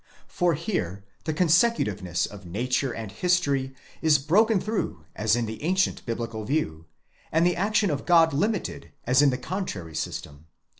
For here the consecu tiveness of nature and history is broken through as in the ancient biblical view ; and the action of God limited as in the contrary system.